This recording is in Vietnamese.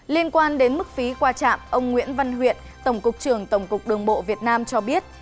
liên quan đến mức phí qua trạm ông nguyễn văn huyện tổng cục trưởng tổng cục đường bộ việt nam cho biết